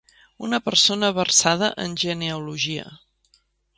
Una persona versada en genealogia.